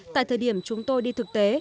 tại thời điểm chúng tôi đi thực tế